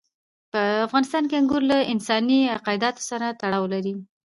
په افغانستان کې انګور له انساني اعتقاداتو سره تړاو لري.